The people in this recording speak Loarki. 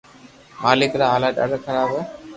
ملڪ را ھالات ڌاڌا خراب ھي